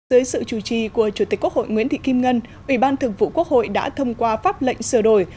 dưới sự chủ trì của chủ tịch quốc hội nguyễn thị kim ngân ủy ban thường vụ quốc hội đã thông qua pháp lệnh sửa đổi